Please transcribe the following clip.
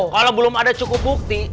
kalau belum ada cukup bukti